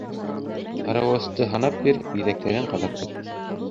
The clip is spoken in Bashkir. Һарауысты һанап бир, биҙәктәрен ҡарап бир.